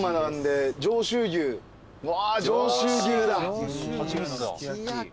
上州牛も。